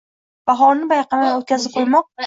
Bahorni payqamay o’tkazib qo’ymoq!